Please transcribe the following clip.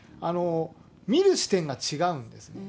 見る視点が違うんですね。